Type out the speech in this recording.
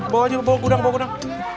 bawa aja bawa gudang bawa gudang